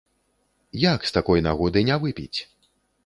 Як з такой нагоды не выпіць!